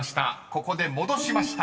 ［ここで戻しました。